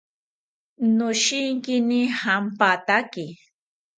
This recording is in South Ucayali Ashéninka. Noshinkini jampataki